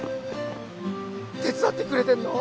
手伝ってくれてるの？